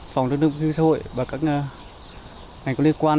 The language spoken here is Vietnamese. phòng thượng đông quyên xã hội và các ngành có liên quan